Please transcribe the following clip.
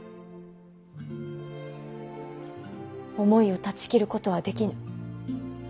思いを断ち切ることはできぬ。